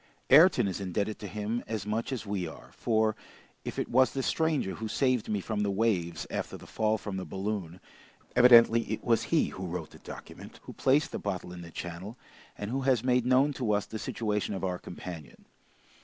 Ayrton is indebted to him as much as we are, for, if it was the stranger who saved me from the waves after the fall from the balloon, evidently it was he who wrote the document, who placed the bottle in the channel, and who has made known to us the situation of our companion.